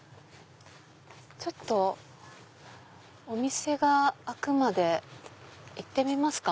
ちょっとお店が開くまで行ってみますか。